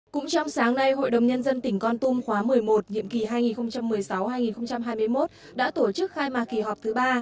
cũng trong sáng nay hội đồng nhân dân tỉnh con tum khóa một mươi một nhiệm kỳ hai nghìn một mươi sáu hai nghìn hai mươi một đã tổ chức khai mạc kỳ họp thứ ba